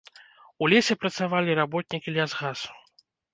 У лесе працавалі работнікі лясгасу.